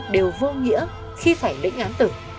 đều vô nghĩa khi phải lĩnh án tử